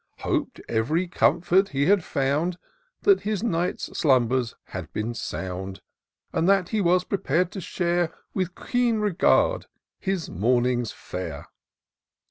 Hop'd ev ry comfort he had found ; That his night slumbers had been sound ; And that he was prepared to share, With keen regard, his morning's fare.